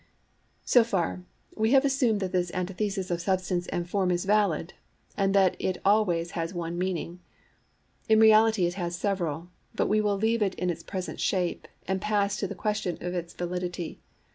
So far we have assumed that this antithesis of substance and form is valid, and that it always has one meaning. In reality it has several, but we will leave it in its present shape, and pass to the question of its validity.